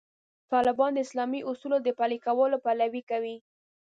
طالبان د اسلامي اصولو د پلي کولو پلوي کوي.